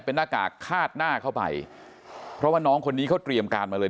เป็นหน้ากากคาดหน้าเข้าไปเพราะว่าน้องคนนี้เขาเตรียมการมาเลย